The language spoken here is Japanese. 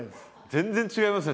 全然違いますね